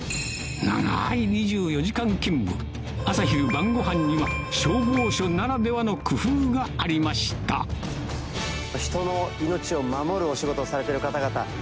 長い２４時間勤務朝昼晩ごはんには消防署ならではの工夫がありました人の命を守るお仕事をされている方々。